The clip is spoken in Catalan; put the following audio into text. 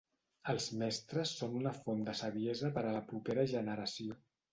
Els mestres són una font de saviesa per a la propera generació.